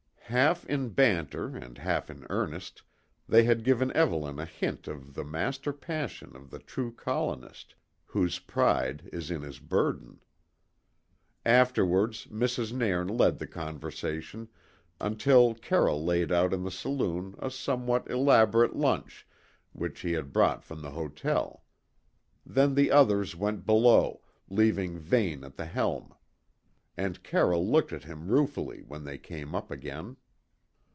Half in banter, and half in earnest, they had given Evelyn a hint of the master passion of the true colonist, whose pride is in his burden. Afterwards, Mrs. Nairn led the conversation, until Carroll laid out in the saloon a somewhat elaborate lunch which he had brought from the hotel. Then the others went below, leaving Vane at the helm; and Carroll looked at him ruefully when they came up again.